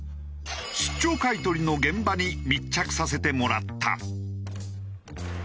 出張買い取りの現場に密着させてもらった。